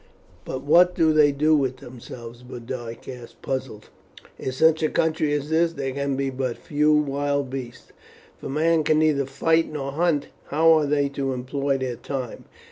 "But what do they do with themselves?" Boduoc asked, puzzled. "In such a country as this there can be few wild beasts. If men can neither fight nor hunt, how are they to employ their time?